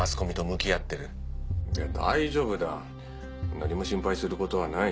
何も心配することはない。